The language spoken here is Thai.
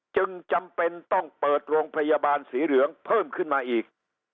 จึงจำเป็นต้องเปิดโรงพยาบาลสีเหลืองเพิ่มขึ้นมาอีก